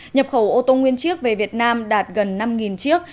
nhập khẩu ô tô nguyên chiếc về việt nam đạt gần năm chiếc